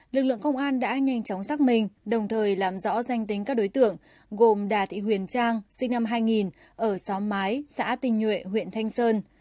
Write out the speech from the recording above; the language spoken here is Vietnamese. lực lượng công an đã nhanh chóng xác minh đồng thời làm rõ danh tính các đối tượng gồm đà thị huyền trang sinh năm hai nghìn ở xóm mái xã tinh nhuệ huyện thanh sơn